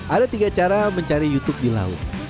ada tiga cara mencari youtube di laut